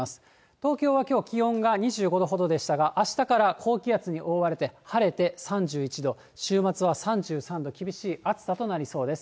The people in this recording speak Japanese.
東京はきょう、気温が２５度ほどでしたが、あしたから高気圧に覆われて、晴れて３１度、週末は３３度、厳しい暑さとなりそうです。